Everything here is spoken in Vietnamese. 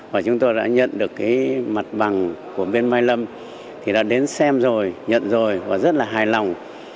và chúng tôi đã nhận được cái mặt bằng của bên mai lâm thì đã đến xem rồi nhận rồi và rất là hài lòng